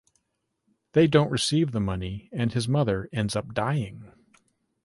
They don’t receive the money and his mother ends up dying.